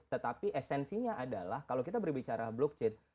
tetapi esensinya adalah kalau kita berbicara blockchain